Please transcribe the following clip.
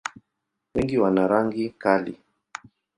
Wengi wana rangi kali.